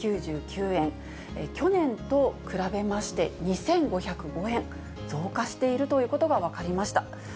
去年と比べまして２５０５円、増加しているということが分かりました。